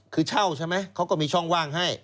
คือเช่าใช่ไหมเขาก็มีช่องว่างให้